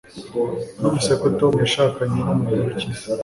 Numvise ko Tom yashakanye numugore ukize